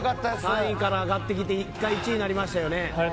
３位から上がって一対一になりましたよね。